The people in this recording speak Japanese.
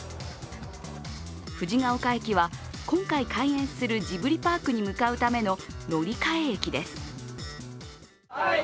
藤が丘駅は今回開園するジブリパークに向かうための乗換駅です。